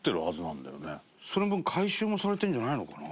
伊達：その分、回収もされてるんじゃないのかな？